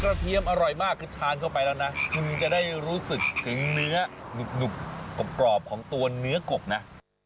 เทียมอร่อยมากคือทานเข้าไปแล้วนะคุณจะได้รู้สึกถึงเนื้อหนุบกรอบของตัวเนื้อกบนะ